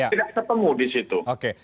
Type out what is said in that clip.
tidak ketemu disitu